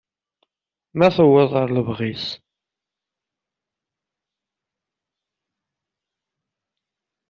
Ma tewweḍ ɣer lebɣi-s.